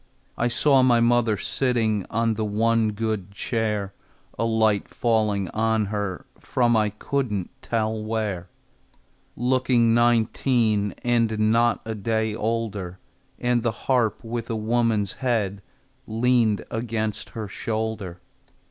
I saw my mother sitting On the one good chair, A light falling on her From I couldn't tell where, Looking nineteen, And not a day older, And the harp with a woman's head Leaned against her shoulder.